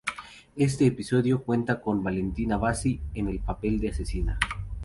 Este episodio cuenta con Valentina Bassi, en el papel de asesina.